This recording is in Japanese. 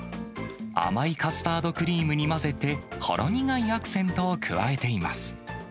甘いカスタードクリームに混ぜて、ほろ苦いアクセントを加えています。